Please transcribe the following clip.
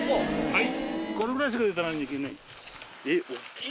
はい。